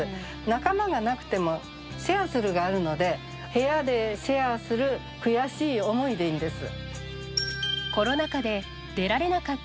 仲間がなくても「シェアする」があるので「部屋でシェアする悔しい思い」でいいんです。